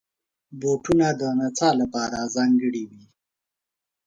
بوټونه د نڅا لپاره ځانګړي وي.